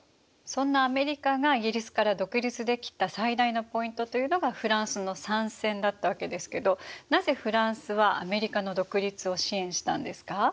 そんなアメリカがイギリスから独立できた最大のポイントというのがフランスの参戦だったわけですけどなぜフランスはアメリカの独立を支援したんですか？